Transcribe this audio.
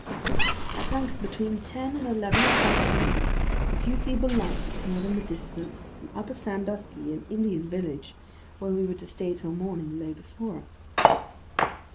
At length, between ten and eleven o'clock at night, a few feeble lights appeared in the distance, and Upper Sandusky, an Indian village, where we were to stay till morning, lay before us.